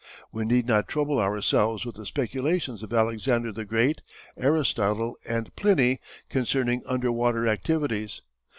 We need not trouble ourselves with the speculations of Alexander the Great, Aristotle, and Pliny concerning "underwater" activities.